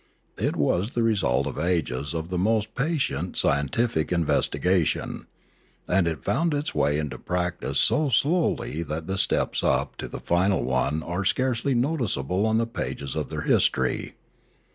It was the result of ages of the most patient scientific investigation. And it found its way into practice so slowly that the steps up to the final one are scarcely noticeable on the pages of their history.